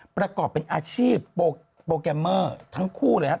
ประกอบเป็นอาชีพโปรแกรมเมอร์ทั้งคู่เลยครับ